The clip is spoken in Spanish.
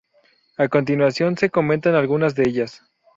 A continuación se comentan algunas de ellas.